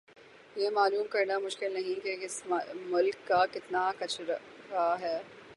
یہ معلوم کرنا مشکل نہیں کہ کس ملک کا کتنا کچرا ھے